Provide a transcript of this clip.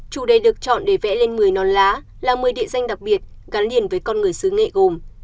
chủ đề được chọn để vẽ lên một mươi non lá là một mươi địa danh đặc biệt gắn liền với con người xứ nghệ gồm